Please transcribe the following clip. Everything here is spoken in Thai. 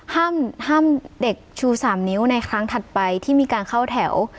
ห้ามเด็กชู๓นิ้วในครั้งถัดไปที่มีการเข้าแถว